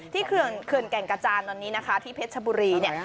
เขื่อนแก่งกระจานตอนนี้นะคะที่เพชรชบุรีเนี่ย